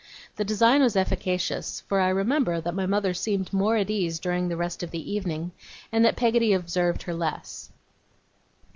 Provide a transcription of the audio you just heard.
The design was efficacious; for I remember that my mother seemed more at ease during the rest of the evening, and that Peggotty observed her less.